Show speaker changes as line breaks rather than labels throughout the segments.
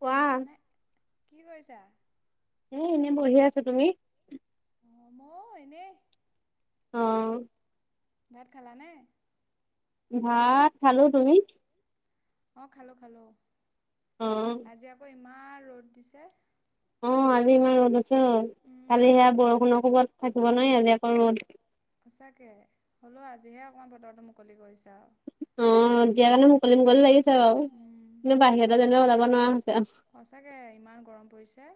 কোৱা
শুনিছানে কি কৰিছা?
এ এনেই বহি আছো তুমি?
অ' মইয়ো এনেই।
অ'।
ভাত খালানে?
ভাত খালো। তুমি?
অ' খালো খালো।
অ
আজি আকৌ ইমান ৰ'দ দিছে।
অ' আজি ইমান ৰ'দ দিছে অ'। কালি
উম,
সেয়া বৰষুণৰ কোবত থাকিব নোৱাৰি আজি আকৌ ৰ'দ
সঁচাকে হ'লেও আজিহে অকণমান বটৰটো মুকলি কৰিছে আও।
অ' দিয়াৰ কাৰণে মুকলি মুকলি লাগিছে বাৰু
উম,
কিন্তু বাহিৰলে যেনিবা ওলাব নোৱাৰা হৈছে আও।
সঁচাকৈ ইমান গৰম পৰিছে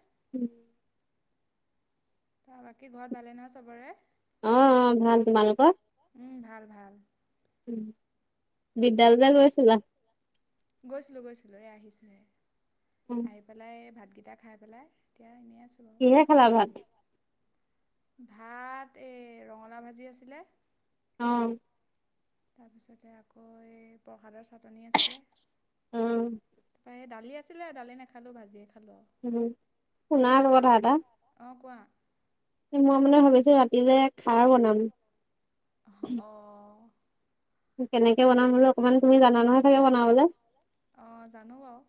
ত বাকী ঘৰত ভালে নহয় চবৰে
অ ভাল তোমালোকৰ
উম ভাল ভাল
উ বিদ্যালয় লে গৈছিলা।
গৈছিলো গৈছিলো এ আহিছো হে আহি খ পেলাই ভাতকেইটা খাই পেলাই এতিয়া এনে আছো
কিহে খেলা ভাত
ভাত এই ৰঙালা ভাজি আছিলে
অ
তাৰপিছতে আকৌ এই প্ৰসাদৰ চাটনি আছিলে
অ
তাৰপ দালি আছিলে দালি নেখালোঁ ভাজিয়ে খালোঁ আৰু
উম শুনা কবথা এটা
অ কোৱা
মই মানে ভাবিছো ৰাতিলে খাৰ বনাম
অ
কেনেকে বনাম হলো অকনমান তুমি জানা নহয় চাগে বনাবলে
অ জানো বাৰু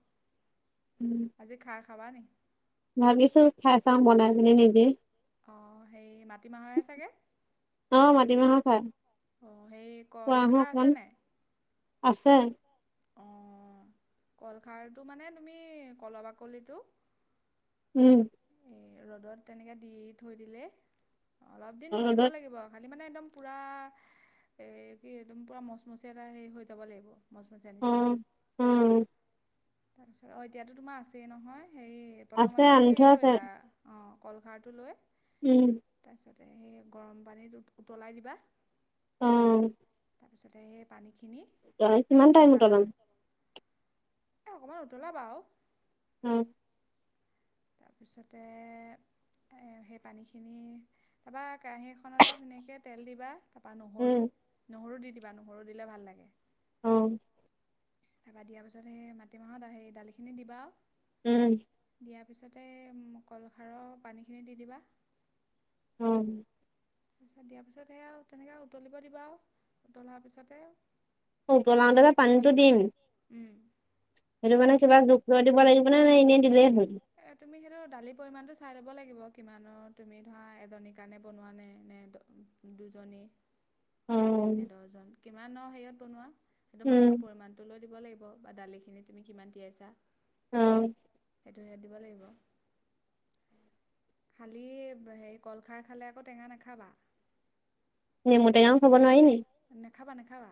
উম
আজি খাৰ খাবা নি
ভাবিছো খাই চাওঁ বনাই মনে নিদে
অঁ হেৰি মাটিমাহৰহে চাগে
আহ মাটিমাহৰ খ
অঁ সেই কল
খোৱা আহ
খাৰ আছে
অকমান
নাই
আছে
অঁ কলখাৰটো মানে তুমি কল বাকলিটো
উম
এই ৰ'দত তেনেকৈ দি থৈ দিলে অলপ দিন থাকিব
ৰ'দত
লাগিব খালী মানে একদম পূৰা এই কি একদম পূৰা মচমচীয়া এটা হেৰি হৈ যাব লাগিব মচমচীয়া নিচিনা
উম
তাৰপিছত অঁ এতিয়াতো তোমাৰ আছেই নহয় হেৰি
আছে
প্ৰথমতে
আনি
তুমি
থোৱা
হেৰি
আছে
কৰিবা অঁ কলখাৰটো লৈ
উম
তাৰপিছতে সেই গৰম পানীত উতলাই দিবা
অ
তাৰপিছতে সেই পানীখিনি
ৰামান টাইম
খাৰ
উট ন
এই অকণমান উতলাবা আৰু
উম
তাৰপিছতে, সেই পানীখিনি, তাৰপৰা কেৰাহী এখনত ধুনীয়াকৈ তেল দিবা তাৰপা নহৰু,
উম
নহৰু, দি দিবা নহৰু দিলে ভাল লাগে
অ',
তাৰপা, দিয়াৰ পিছত সেই মাটিমাহত সেই দালিখিনি দিবা আৰু
উম,
দিয়াৰ পিছতে কলখাৰৰ পানীখিনি দি দিবা
অ',
দিয়াৰ পিছত সেয়া আৰু তেনেকৈ উতলিব দিবা আৰু উতলাৰ পিছতে
অ', বনাও তে যে পানীতো দিম
উম,
সেইটো মানে কিবা জুখ লৈ দিব লাগিব, নে নে এনেই দিলেই হল
তুমি সেইটো দালিৰ পৰিমাণটো চাই ল'ব লাগিব, কিমানৰ তুমি ধৰা এজনীৰ কাৰণে বনোৱা নে নে দুজনী।
অ
নে দহজন, কিমান আৰু হেৰিয়ত বনোৱা সেইটো মানুহৰ
উম
পৰিমান লৈ দিব লাগিব বা দালিখিনি তুমি কিমান তিয়াইছা।
অ',
সেইটো, ইয়াত দিব লাগিব খালী হেৰি কলখাৰ খালে আকৌ টেঙা নাখাবা।
নেমু টেঙাও খাব নোৱাৰি নি?
নাখাবা, নাখাবা,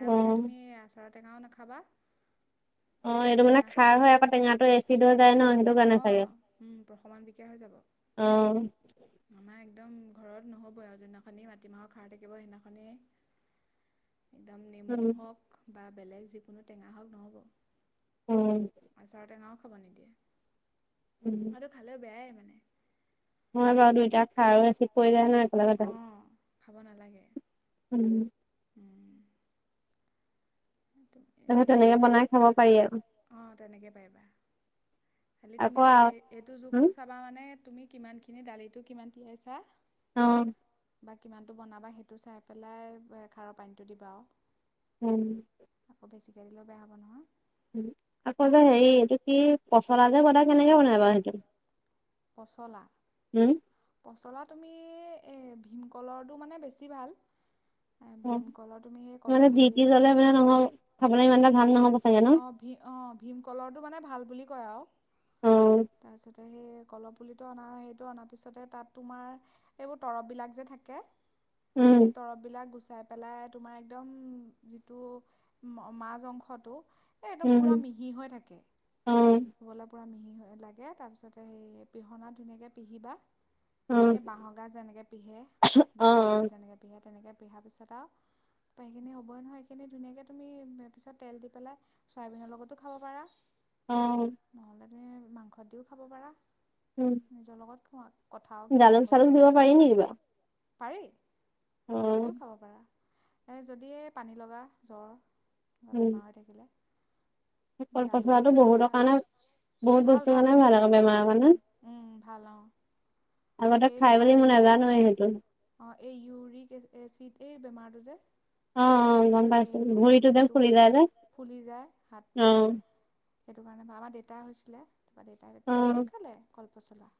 অ
মানে তুমি আচাৰৰ টেঙাও নাখাবা
অ', এইটো মানে
টেঙা খাব
খাৰ হয়, আকৌ টেঙাটো এচিড হৈ যায় ন সেইটো
অঁ
কাৰণে
অঁ
চাগে
প্ৰশমন বিকাৰ হৈ যাব
অ',
আমাৰ একদম ঘৰত নহ'ব আৰু, যোনদিনাখন মাটিমাহৰ খাৰ থাকিব সেইদিনাখনি। একদম
উম
নেমু হওঁক, বা বেলেগ যিকোনো টেঙা হওঁক নহ'ব
উম
আচাৰ টেঙাও খাব নিদিয়ে
উম,
আৰু খালেও বেয়াই মানে।
হয় বা দুইটা খাৰ, আৰু এচিড পৰি যায় নহয় একেলগতে
অঁ খাব নালাগে।
উম,
উম,
তাৰপিছত তেনেকে বনাই খাব পাৰি আৰু
অ', তেনেকৈ পাৰিবা খালি তুমি
আকৌ
এইটো
হম
জোগটো চাবা মানে তুমি কিমানখিনি দালিটো কিমান তিয়াইছা।
অ',
বা কিমানটো বনাবা সেইটো চাই পেলাই, খাৰৰ পানীটো দিবা আৰু
উম,
আকৌ বেছিকৈ দিলেও বেয়া হ'ব নহয়।
আকৌ যে,
সেইটো চাই
হেৰি
ল'বা
এইটো কি পচলা যে বনায় কেনেকে বনাই বাৰু সেইটো?
পচলা
উম,
পচলা তুমি, ভীমকলৰটো মানে বেছি ভাল। ভীমকলৰ তুমি সেই
মানে
কলহ
যি
পুলি
টি
এটা
ললে
আনি
মানে নহব খাবলৈ ইমানটা ভাল নহ'ব চাগে ন
অ', ভীমকলৰটো অ', ভীমকলৰটো মানে, ভাল বুলি কয় আৰু
অ
তাৰপিছতে সেই কল পুলিটো অনা সেইটো অনাৰ পিছতে, তাত তোমাৰ এইবোৰ তৰববিলাক যে থাকে। সেই
উম
তৰব বিলাক গুচাই পেলাই তোমাৰ একদম, যিটো মাাজ অংশটো এই একদম পূৰা
উম
মিহি হৈ থাকে।
অ',
খাবলৈ পূৰা মিহি হৈ লাগে তাৰপিছতে সেই পিহনা ধুনীয়াকৈ পিহিবা
অ
এই বাঁহ গাঁজ যেনেকে পিহে বা
অ
কলডিল যেনেকে পিহে তেনেকে পিহাৰ পিছত আৰু তাৰ সেইখিনি হ'বই নহয় সেইখিনি ধুনীয়াকৈ তুমি পিছত তেল দি পেলাই চয়াবিনৰ লগতো খাব পাৰা
অ'।
নহ'লে তুমি মাংসত দিও খাব পাৰা।
উম।
নিজৰ লগত খোৱা। কথা আৰু কিহৰ
জালুক
লগত
চালুক
খোৱা
দিব পাৰি নি কিবা?
পাৰি, জালুক দিও খাব পাৰা। এই যদি এ পানী লগা জ্বৰ বা
উম
বেমাৰ হৈ থাকিলে
কল
জালুক দি
পচলাটো
পেলাই
বহুতৰ কাৰণে বহুত
ভাল
বস্তুৰ
ভাল
কাৰণে আকৌ বেমাৰৰ কাৰণে
উম, উম, ভাল অ'।
আগতে খাই বুলি মই নাজানোৱে সেইটো।
অ', এই ইউৰিক এচিড এই বেমাৰটো যে
উম, উম, গম পাইছো
সেইটো
ভৰিতো যে
সেইটো
ফুলি যায় যে
ফুলি যায় হাত
অ
মুখ সেইটো কাৰণে বা আমাৰ দেউতাই হৈছিলে, তাৰপৰা দেউতাই তেতিয়া বহুত
উম
খালে কলপচলা।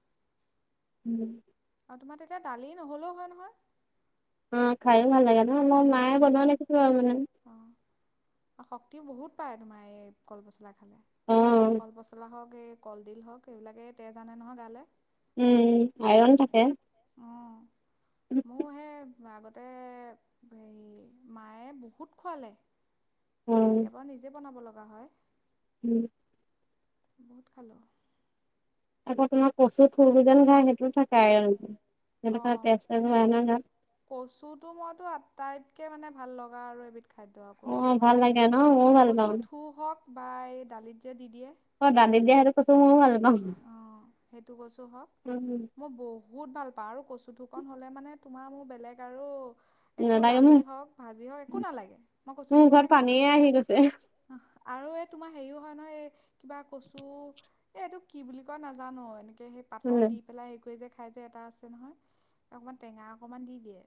উম।
আৰু তোমাৰ তেতিয়া দালি নহলেও হয় নহয়।
উম, খাইও ভাল লাগে ন', মোৰ মায়ে বনোৱা দেখো আৰু ইমান।
অ', শক্তিও বহুত পায় তোমাৰ এই কলপচলা খালে,
অ
কলপচলা হওঁক এই কলডিল হওঁক এইবিলাকেই তেজ নে নহয় গালে।
উম, আইৰন থাকে।
অ', মোৰ সেই আগতে হেৰি মায়ে বহুত খোৱালে।
অ
কেতিয়াবা নিজে বনাব লগা হয়।
উম।
বহুত খালোঁ।
আকৌ তোমাৰ কচু ফুল যে খায় সেইটোও থাকে আইৰন আৰু [unintelligible] স
অঁ
তেজাল
কচুটো মইতো আটাইতকৈ মানে ভাল লগা আৰু এবিধ খাদ্য আৰু
অ
কচু
ভাল
মানে
লাগে ন ময়ো ভাল
কচু
পাওঁ
থু হওঁক বা এই দালিত যে দি দিয়ে
অ', দালিত দিয়া সেইটো কচু ময়ো ভাল পাওঁ।
অঁ সেইটো কচু হওক মই বহুত ভাল পাওঁ, আৰু কচু থুৰকন হ'লে মানে তোমাৰ মোৰ বেলেগ আৰু একো
নালাগে মোৰ
দালি হওঁক ভাজি হওঁক একো নালাগে মই কচু
মোৰ মুখত
থুৰকণে খাই দিম।
পানীয়ে আহি গৈছে
আৰু এই তোমাৰ হেৰিও হয় নহয় এই কিবা কচু এই এইটো কি বুলি কয় নাজানো এনেকৈ সেই পাতত দি পেলাই হেৰি কৰি যে খাই যে এটা আছে নহয়, অকণমান টেঙা অকণমান দি দিয়ে।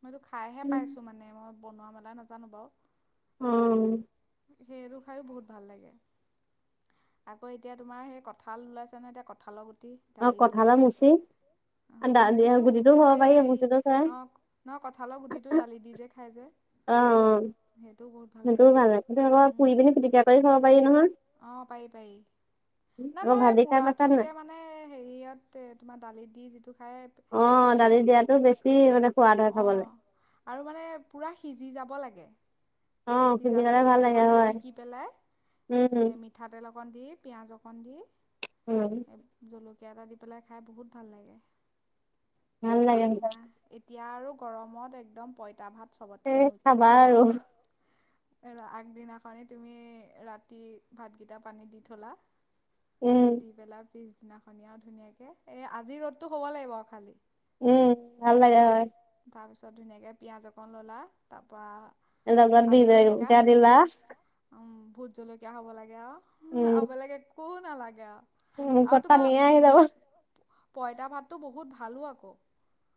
মইতো খাইহে পাইছোঁ মানে মই বনোৱা মেলাই নাজানো বাৰু।
উম।
সেইটো খায়ো বহুত ভাল লাগে। আকৌ এতিয়া তোমাৰ সেই কঁঠাল ওলাইছে নহয় এতিয়া কঁঠালৰ গুটি
অ
দালিত দি
কঁঠালৰ মুচি
পেলাই
দা
মুঁচিটো
গুটিটো খাব
মুঁচি
পাৰি মুচিটো
হেৰিক
খাই
ন কঁঠালৰ গুটিটো দালি দি যে খাই যে।
অ', অ',
সেইটোও বহুত লাগে।
সেইটোও ভাল কিন্তু আকৌ
উম
পুৰি পিনি পিটিকা কৰি খাব পাৰি নহয়।
অ', পাৰি পাৰি, না
আকৌ
মই এই
ভাজি খাই পাইছা নাই
পোৰাটোতকে মানে মানে হেৰিয়ত তোমাৰ দালিত দি যিটো খাই
অ', দালি
পিটি
দিয়াতো বেছি মানে সোৱাদ হয় খাবলে
অ', আৰু মানে পূৰা সিজি যাব লাগে।
অ
সিজাৰ
পিটিকালে
পিছত
ভাল
এই
লাগে
অকণমান
হয়
পিটিকি পেলাই
উম
মিঠাতেল অকণ দি পিঁয়াজ অকণ দি
উম।
জলকীয়া এটা দি পেলাই খাই বহুত ভাল লাগে।
ভাল লাগে
আৰু
সঁচাকে
তোমাৰ এতিয়া আৰু গৰমত একদম পঁইতা ভাত
এ
চবতকে
খাবা
মুখ্য আৰু। এৰা আগদিনাখন তুমি ৰাতি ভাতকেইটা পানীত দি থ'লা
উম
দি পেলাই পিছদিনাখনি আৰু ধুনীয়াকে এ, আজি ৰ'দতটো হ'ব লাগিব খালি।
উম ভাল লাগে হয়
তাৰপি তাৰপিছত ধুনীয়াকে পিঁয়াজ অকণ ললা, তাৰপা
এজগত বিহজলকীয়া দিলা
উম, ভোট জলকীয়া হ'ব লাগে আৰু, আৰু বেলেগ একো নালাগে আৰু।
উ, গটা নিয়া আহি যাব।
পইতা ভাতটো বহুত ভালো আকৌ।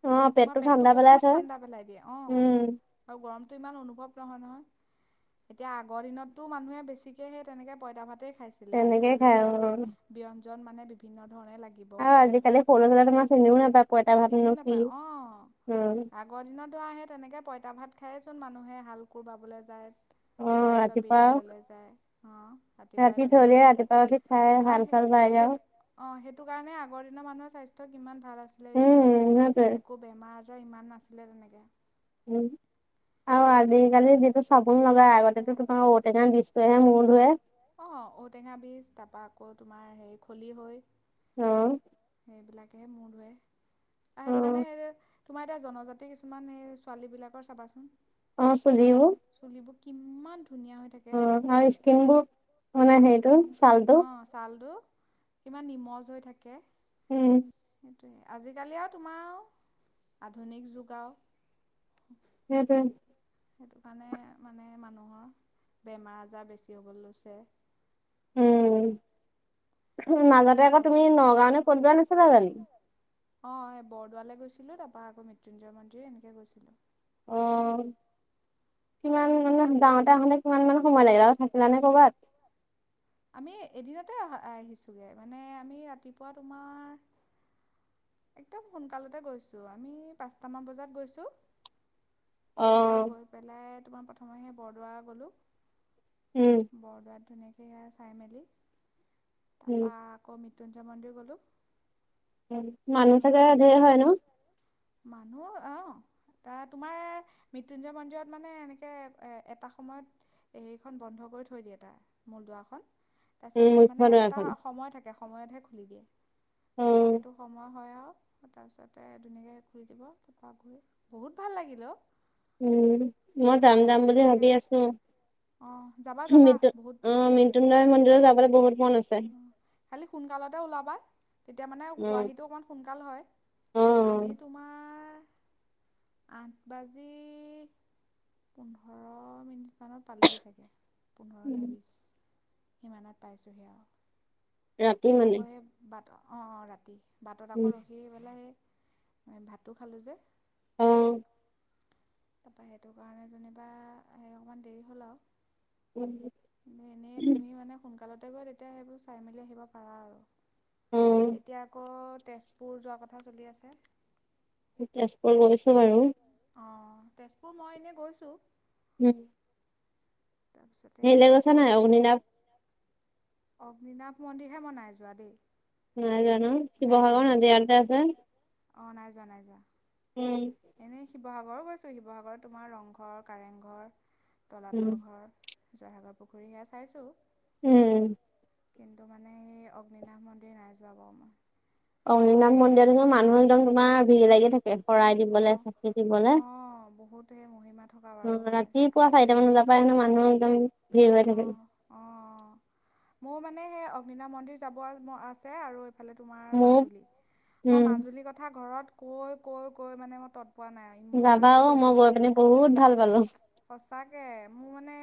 অ
মানে তোমাৰ পেটটো
ঠাণ্ডা পেলাই
বহুত
থয়
ঠাণ্ডা পেলাই দিয়ে। অ'
উম
আৰু গৰমটো ইমান অনুভৱ নহয় নহয়। এতিয়া আগৰ দিনততো মানুহে বেছিকে সেই তেনেকে পঁইতা ভাতেই খাইছিলে,
তেনেকে খাই
আজিকালিহে
অ
আৰু ব্যঞ্জন মানে বিভিন্ন ধৰণে লাগিব।
হয়, আজিকালি সৰু চালা তোমাৰ চিনিও নাপাই পঁইতা
চিনিও
ভাতনো কি,
নাপায় অ
উম।
আগৰ দিনতো আহে তেনেকে পইতা ভাত খায়েইচোন মানুহে হাল কোৰ বাবলৈ যায়।
অ
তাৰপিছত
ৰাতিপুৱা
বিদ্যালয়লৈ যায়। অ' ৰাতিপুৱাই
ৰাতি থৈ
তেনেকে।
ৰাতিপুৱা উঠি খাই হাল
আহে
চাল বাই যাওঁ।
হেইটো অ' সেইটো কাৰণে আগৰ দিনৰ মানুহৰ স্বাস্থ্য কিমান ভাল আছিলে দেখিছানে
উম সেইটোৱে।
নাই। আকৌ বেমাৰ আজাৰ ইমান নাছিলে তেনেকে।
উম, আৰু
সেইটোৱে
আজিকলি যিটো চাবোন লগাই আগতে তোমাৰ ঔটেঙা বিজটো আহে মূৰ ধোৱে।
অ' ঔটেঙা বীজ, তাৰপৰা আকৌ তোমাৰ হেৰি খলিহৈ।
অ'।
সেইবিলাকেহে মূৰ ধোৱে। অ' সেইটো কাৰণে তোমাৰ এতিয়া জনজাতি কিছুমান, এই ছোৱালীবিলাকৰ চাবাচোন।
অ' চুলিবোৰ।
চুলিবোৰ কিমান ধুনীয়া হৈ থাকে।
অ' আৰু স্কিনবোৰ মানে সেইটো চালটো।
চালটো কিমান নিমজ হৈ থাকে।
উম।
সেইটোৱে। আজিকালি আৰু তোমাৰ আও আধুনিক যুগ আৰু।
সেইটোৱেই।
সেইটো কাৰণে মানে মানুহৰ বেমাৰ আজাৰ বেছি হ'বলৈ লৈছে।
উম মাজতে
তাৰপিছত
আকৌ
খোৱা
তুমি
বোৱা
নগাঁওলৈ ক'ত যোৱা নাছিলা জানি?
অ' বৰদোৱালৈ গৈছিলোঁ, তাৰপৰা আকৌ মৃত্যঞ্জয় মন্দিৰ এনেকৈ গৈছিলো।
অ' কিমান নাজ যাওঁতে আহোঁতে কিমানমান সময় লাগিলে? আৰু থাকিলা নে কৰ'বাত?
আমি এদিনতে অহা আহিছোঁগে, মানে আমি ৰাতিপুৱা তোমাৰ একদম সোনকালতে গৈছো। আমি পাঁচটামান বজাত গৈছো।
অ।
তাৰপৰা গৈ পেলাই তোমাৰ প্ৰথমেহে বৰদোৱা গ'লো।
উম
বৰদোৱাত ধুনীয়াকৈ চাই মেলি
উম
তাৰাপা আকৌ মৃত্যুঞ্জয় মন্দিৰ গ'লো।
[inaudible]
তাৰাপৰা
ধেৰ
মৃত্যুঞ্জ,
হয় ন?
মানুহ অ' এ, তোমাৰ মৃত্যুঞ্জয় মন্দিৰত মানে এনেকে এটা সময়ত এইখন বন্ধ কৰি থৈ দিয়ে তাৰ মূল দুৱাৰখন।
উম
তাৰপিছত মানে
এখন
এটা
এখন।
সময় থাকে, সময়তহে খুলি দিয়ে। তাৰপৰা
উম।
সেইটো সময় হয় আৰু, তাৰপিছতে ধুনীয়াকৈ খুলি দিব, তাৰপৰা ঘূৰি বহুত ভাল লাগিল অ'।
উম, মই
আমাৰ
যাম,
শৰাই
যাম
চৰাই
বুলি
তেনেকৈ
ভাবি
দিছে
আছোঁ।
অঁ যাবা
[unintelligible] আহ
যাবা বহুত ভাল
[unintelligible]
লাগে
মন্দিৰত যাবলৈ বহুত মন আছে।
অঁ খালি সোনকালতে ওলাবা তেতিয়া মানে
উম,
পোহীটো অকণমান সোনকাল হয় আমি
অ',
তোমাৰ আঠ বাজি পোন্ধৰ মিনিটমানত পালোহি চাগে পোন্ধৰ নে বিছ। সিমানত পাইছোঁহে আৰু
ৰাতি মানে
আকৌ এই বাট অ', অ', ৰাতি বাটত
উম,
আকৌ সেই পেলাই ভাতো খালোঁ যে
অ',
তাৰপৰা সেইটো কাৰণে যেনিবা সেই অকণমান দেৰি হ'ল আৰু
[inaudible]
কিনো এনেই তুমি মানে সোনকালতে গৈ তেতিয়া সেইবোৰ চাই মেলি আহিব পাৰা আৰু।
অ',
এতিয়া আকৌ তেজপুৰ যোৱাৰ কথা চলি আছে।
তেজপুৰ গৈছো বাৰু।
অ', তেজপুৰ মই এনেই গৈছোঁ।
উম।
তাৰপিছতে
হেৰিলে
এতিয়া
গৈছা নাই
আকৌ
অগ্নিনাভ
অগ্নিনাাথ মন্দিৰহে মই নাই যোৱা দেই।
নাই জানো শিৱসাগৰ নাজিৰাতে আছে।
অ', নাই যোৱা নাই যোৱা।
উম।
এনেই শিৱসাগৰো গৈছোঁ, শিৱসাগৰত তোমাৰ ৰংঘৰ কাৰেংঘৰ
উম,
তলাতল ঘৰ জয়সাগৰ পুখুৰী সেয়া চাইছোঁ।
উম।
কিন্তু মানে সেই অগ্নিনাাশ মন্দিৰ নাই যোৱা বাৰু মই
অগ্নিনাথ
মই
মন্দিৰতো মানুহ একদম তোমাৰ ভিৰ লাগি থাকে শৰাই দিবলৈ চাকি দিবলৈ
অ', বহুত সেই মহিমা থকা বাৰু
অ',
হয়
ৰাতিপুৱা
সেইটো
চাৰিটামান বজাৰ
শুনিছোঁ
পৰা হেনো মানুহ একদম ভিৰ হৈ থাকে
অ', মোৰ মানে সেই অগ্নিনামথ মন্দিৰ যাব আছে আৰু এইফালে তোমাৰ
মোৰ
মাজুলী মই
উম,
মাজুলীৰ কথা ঘৰত কৈ, কৈ, কৈ মানে মই তৎপোৱা নাই আৰু
যাবা অ', মই গৈ পিনি বহুত ভাল পালো।
সঁচাকৈ মোৰ মানে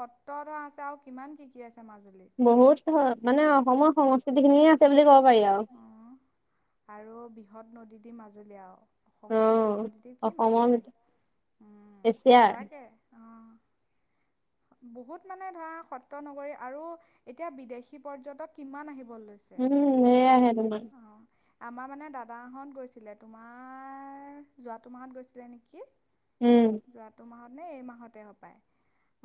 সত্তৰ ধ আছে আৰু কিমান কি কি আছে মাজুলীত।
বহুত মানে অসমৰ সংস্কৃতি খিনিয়ে আছে বুলি ক'ব পাৰি আৰু
অঁ আৰু বৃহৎ নদী দি মাজুলী আৰু
অ
অসমৰ বৃহৎ নদীটো কি
অসমৰ
মাজুলী
ভিতৰত এছিয়াৰ
সঁচাকৈ অ'। বহুত মানে ধৰা সত্ৰ নগৰী আৰু এতিয়া বিদেশী পৰ্যটক কিমান আহিবলৈ
উম সেয়াহে তোমাৰ
অ'। আমাৰ মানে দাদাহঁত গৈছিলে তোমাৰ যোৱাটো মাহত গৈছিলে নেকি।
উম।
যোৱাটো মাহত নে এই মাহতে হ পায়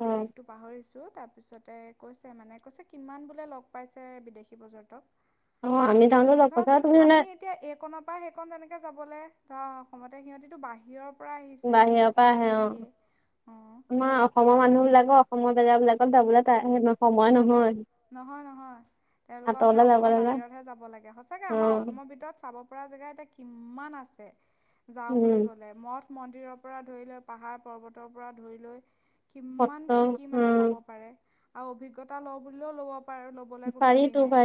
অ
তাৰিখটো পাহৰিছোঁ তাৰপিছতে কৈছে মানে কৈছে কিমান বোলে লগ পাইছে বিদেশী পৰ্যটক।
অ আমি যাওঁতে লগ পাইছা
ধৰাচোন
তুমি মানে
আমি এতিয়া এইকণনৰ পৰা সেইকণ তেনেকে যাবলৈ ধৰা অসমতে সিহঁতিতটো বাহিৰৰ পৰা আহিছে।
বাহিৰৰ পৰা
অসমত
আহে অ',
থাকিয়ে
আমাৰ
অ
অসমৰ মানুহ বিলাকক [unintelligible] বোলে কতা বোলে তাই হেনো
নহয়, নহয়। তেওঁলোকৰ মানে
আঁতৰলে যাব
অসমৰ
লগা
বাহিৰতহে যাব লাগে সঁচাকে
অ
আমাৰ অসমৰ ভিতৰত চাব পৰা জেগা এতিয়া কিমান আছে যাওঁ
উম
বুলি ক'লে। মঠ মন্দিৰৰ পৰা ধৰি লৈ পাহাৰ পৰ্বতৰ পৰা ধৰি লৈ কিমান
সত্ৰ
কি, কি
অ
মানে চাব পাৰে আৰু অভিজ্ঞতা লওঁ বুলও ল'ব পাৰো। গ'লে কোনো
পাৰিতো
হেৰি
পাৰি
নাই।